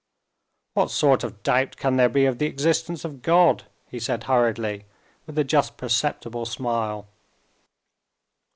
"What sort of doubt can there be of the existence of God?" he said hurriedly, with a just perceptible smile.